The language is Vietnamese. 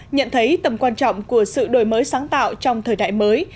nhận thấy tầm quan trọng của sự đổi mới sáng tạo trong thời đại mới